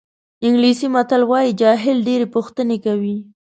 انګلیسي متل وایي جاهل ډېرې پوښتنې کوي.